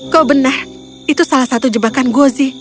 kau benar itu salah satu jebakan gozi